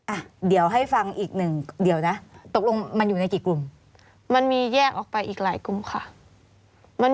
อ่ะเดี๋ยวให้ฟังอีกหนึ่งเดี๋ยวนะตกลงมันอยู่ในกี่กลุ่ม